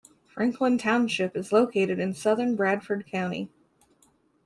Franklin Township is located in southern Bradford County.